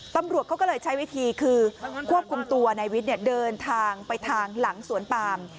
ตำรวจเขาก็เลยใช้วิธีคือควบคุมตัวนายวิทย์เดินทางไปทางหลังสวนปาม